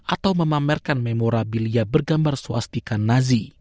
atau memamerkan memorabilia bergambar suatu nama